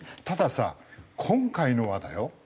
たださ今回のはだよ